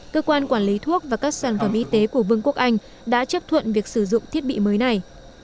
cơ quan quản lý thuốc và các sản phẩm y tế của vương quốc anh đã chấp thuận việc sử dụng thiết bị mới này